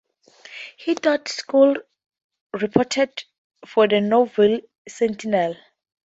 He taught school, reported for the "Knoxville Sentinel".